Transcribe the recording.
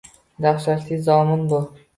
Dahshatli zamon bu!